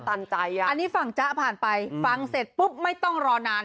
อันนี้ฝั่งจ๊ะผ่านไปฟังเสร็จปุ๊บไม่ต้องรอนาน